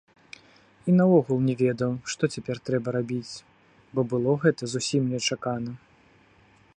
І наогул не ведаў, што цяпер трэба рабіць, бо было гэта зусім нечакана.